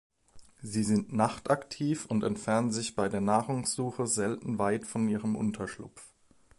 Sie sind nachtaktiv und entfernen sich bei der Nahrungssuche selten weit von ihrem Unterschlupf.